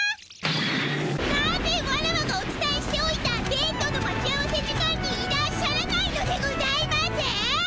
なぜワラワがおつたえしておいたデートの待ち合わせ時間にいらっしゃらないのでございます？